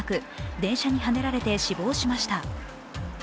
電車にはねられて死亡しました。